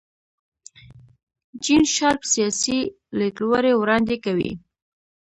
جین شارپ سیاسي لیدلوری وړاندې کوي.